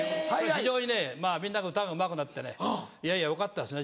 非常にねまぁみんなが歌がうまくなってねいやいやよかったですね